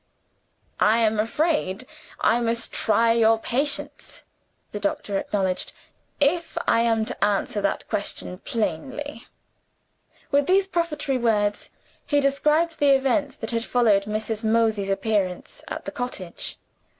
"I am afraid I must try your patience," the doctor acknowledged, "if I am to answer that question plainly." With these prefatory words, he described the events that had followed Mrs. Mosey's appearance at the cottage.